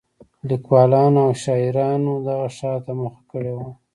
لیکوالانو او شاعرانو دغه ښار ته مخه کړې وه.